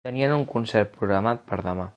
Tenien un concert programat per demà.